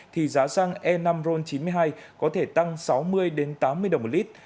thì giá xăng e năm ron chín mươi hai có thể tăng sáu mươi tám mươi đồng một lít